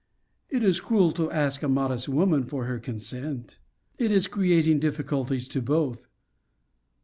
It is cruel to ask a modest woman for her consent. It is creating difficulties to both.